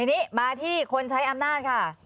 ทีนี้มาที่คนใช้อำนาจค่ะ